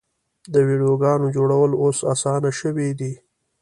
د ویډیوګانو جوړول اوس اسانه شوي دي.